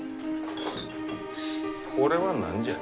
これは何じゃ？